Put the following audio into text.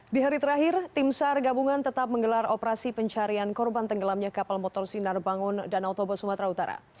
di hari terakhir tim sar gabungan tetap menggelar operasi pencarian korban tenggelamnya kapal motor sinar bangun danau toba sumatera utara